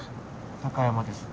貴山です